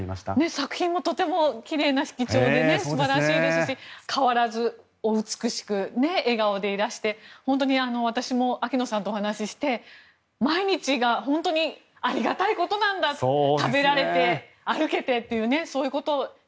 作品もとても奇麗な色調で素晴らしいですし変わらずお美しく笑顔でいらして、本当に私も秋野さんとお話しして、毎日が本当にありがたいことなんだ脂肪対策続かない